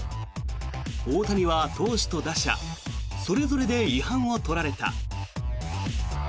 大谷は、投手と打者それぞれで違反を取られた。